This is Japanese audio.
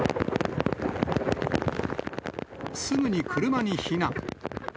すぐに車に避難。